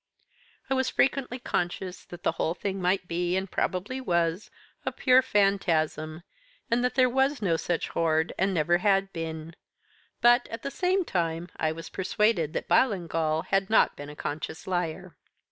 I was frequently conscious that the whole thing might be, and probably was, a pure phantasm, and that there was no such hoard, and never had been; but, at the same time I was persuaded that Ballingall had not been a conscious liar.